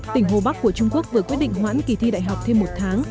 tỉnh hồ bắc của trung quốc vừa quyết định hoãn kỳ thi đại học thêm một tháng